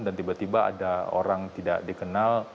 dan tiba tiba ada orang tidak dikenal